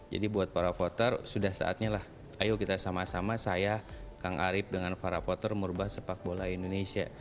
buat para voter sudah saatnya lah ayo kita sama sama saya kang arief dengan para voter merubah sepak bola indonesia